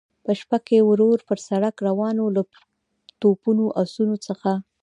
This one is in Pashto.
په شپه کې ورو پر سړک روان و، له توپونو، اسونو څخه.